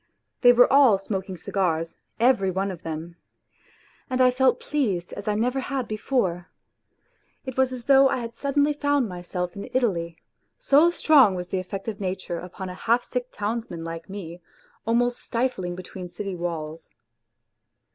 They were all smoking cigars, every one of them. And I felt pleased as I never had before. It was as though I had suddenly found myself in Italy so strong was the effect of nature upon a half sick townsman like me, almost stifling between city walls.